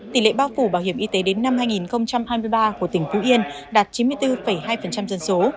tỷ lệ bao phủ bảo hiểm y tế đến năm hai nghìn hai mươi ba của tỉnh phú yên đạt chín mươi bốn hai dân số